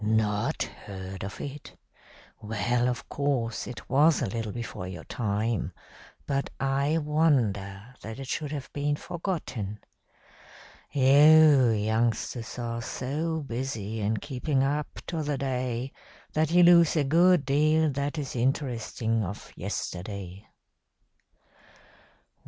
Not heard of it? Well, of course, it was a little before your time, but I wonder that it should have been forgotten. You youngsters are so busy in keeping up to the day that you lose a good deal that is interesting of yesterday.